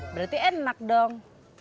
berarti enak dong